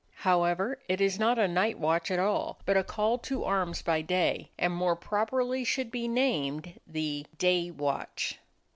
However, it is not a night watch at all, but a call to arms by day, and more properly should be named the "Day Watch."